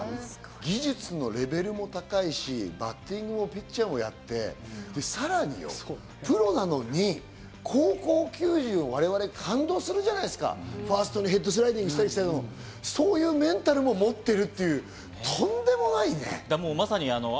技術のレベルも高いし、バッティングもピッチャーもやって、さらによ、プロなのに高校球児、我々感動するじゃないですか、ファーストにヘッドスライディングしたり、そういうメンタルももってる。